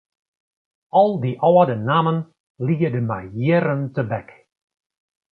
Al dy âlde nammen liede my jierren tebek.